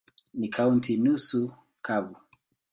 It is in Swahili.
Ni kaunti nusu kavu.